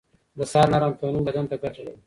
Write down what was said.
د سهار نرم تمرين بدن ته ګټه لري.